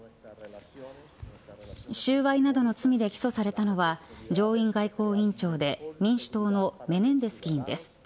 収賄などの罪で起訴されたのは上院外交委員長で民主党のメネンデス議員です。